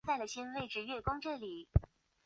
袁翼新市乡上碧溪人。